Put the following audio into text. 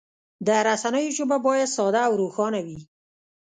د رسنیو ژبه باید ساده او روښانه وي.